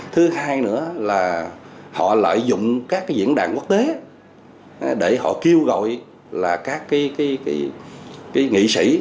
thứ hai nữa là họ lợi dụng các diễn đàn quốc tế để họ kêu gọi là các nghị sĩ